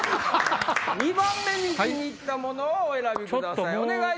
２番目に気に入ったものをお選びください